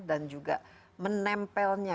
dan juga menempelnya